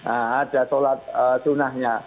ada sholat sunnahnya